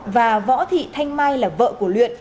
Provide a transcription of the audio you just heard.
và võ thị thanh mai là vợ của luyện